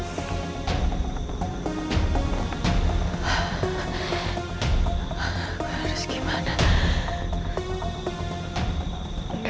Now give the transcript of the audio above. gue harus gimana sekarang